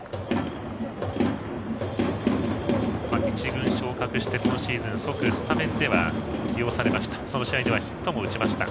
１軍昇格して今シーズン即スタメンでは起用されました。